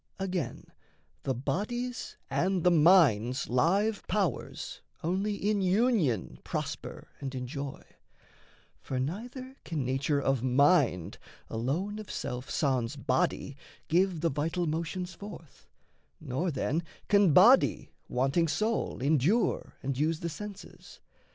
Again, the body's and the mind's live powers Only in union prosper and enjoy; For neither can nature of mind, alone of self Sans body, give the vital motions forth; Nor, then, can body, wanting soul, endure And use the senses.